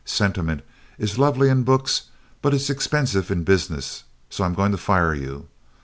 Sentiment is lovely in books, but it's expensive in business, so I'm going to fire you.